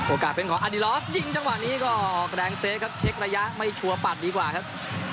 เป็นของอาดีลอฟยิงจังหวะนี้ก็แรงเซฟครับเช็คระยะไม่ชัวร์ปัดดีกว่าครับ